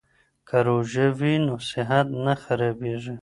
که روژه وي نو صحت نه خرابیږي.